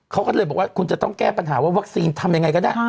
เขาก็เลยบอกว่าคุณจะต้องแก้ปัญหาว่าวัคซีนทำยังไงก็ได้